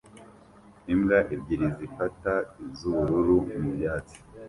Imbwa ebyiri zifata iz'ubururu mu byatsi